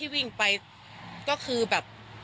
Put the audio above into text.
วิ่งไปก็คือแบบ